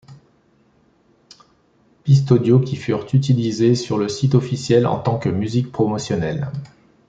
Pistes audio qui furent utilisées sur le site officiel en tant que musiques promotionnelles.